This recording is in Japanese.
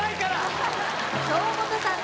京本さん